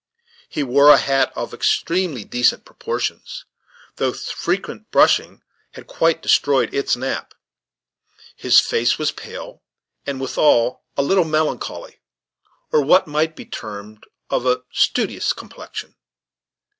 He wore a hat of extremely decent proportions, though frequent brushing had quite destroyed its nap. His face was pale, and withal a little melancholy, or what might be termed of a studious complexion.